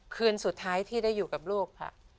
คืนสุดท้ายที่ได้อยู่กับลูกค่ะ